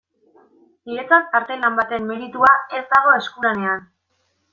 Niretzat artelan baten meritua ez dago eskulanean.